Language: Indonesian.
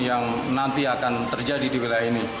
yang nanti akan terjadi di wilayah ini